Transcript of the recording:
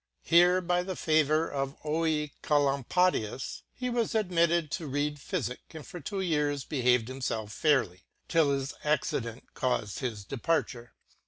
Here by the favour of Oecolampadius he was admit ted to reade Phyfick, and for two years behaved himfelf fair ly ,till this accident caufed his departure.